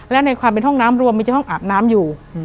และในความเป็นห้องน้ำรวมมีจะห้องอาบน้ำอยู่